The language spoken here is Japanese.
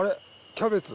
キャベツ